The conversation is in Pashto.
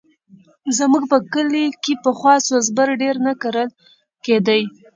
زموږ په کلي کښې پخوا سوز بر ډېر نه کرل کېدی.